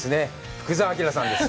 福澤朗さんです。